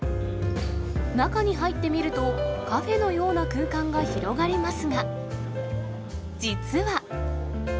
中に入ってみると、カフェのような空間が広がりますが、実は。